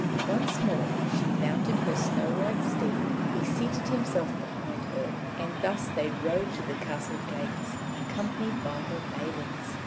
Once more she mounted her snow white steed; he seated himself behind her, and thus they rode to the castle gates, accompanied by her maidens.